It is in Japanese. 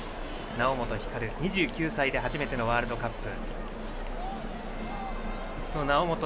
猶本光、２９歳で初めてのワールドカップ。